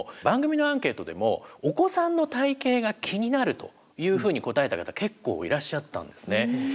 番組のアンケートでも「お子さんの体型が気になる」というふうに答えた方結構いらっしゃったんですね。